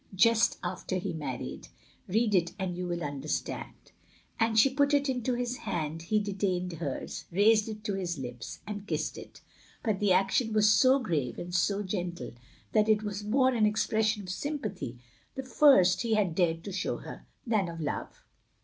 ... just after he married. Read it — and you will understand. " As she put it into his hand, he detained hers, raised it to his lips, and kissed it. But the action was so grave and so gentle that it was more an expression of sympathy — ^the first he had dared to show her — ^than of love.